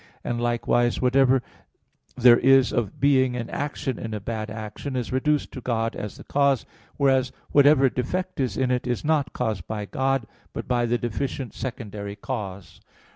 And, likewise, whatever there is of being and action in a bad action, is reduced to God as the cause; whereas whatever defect is in it is not caused by God, but by the deficient secondary cause.